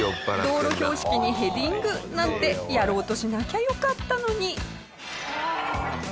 道路標識にヘディングなんてやろうとしなきゃよかったのに。